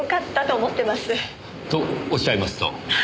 とおっしゃいますと？